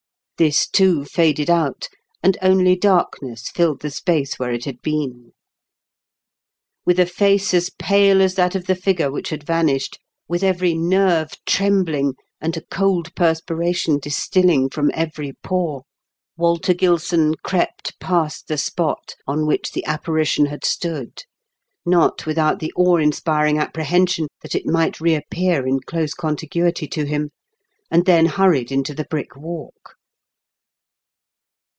This too faded out, and only dark ness filled the space where it had been. With a face as pale as that of the figure which had vanished, with every nerve trembling and a cold perspiration distilling from every pore, Walter Gilson crept past the spot on 190 m KENT WITH CHAELE8 DI0KEN8. wliich the apparition had stood, not without the awe inspiring apprehension that it might reappear in close contiguity to him, and then hurried into the Brick Walk.